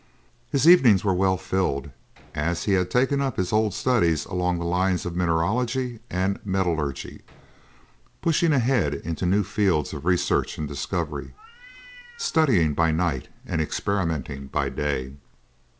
His evenings were well filled, as he had taken up his old studies along the lines of mineralogy and metallurgy, pushing ahead into new fields of research and discovery, studying by night and experimenting by day.